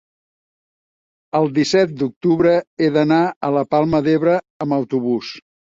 el disset d'octubre he d'anar a la Palma d'Ebre amb autobús.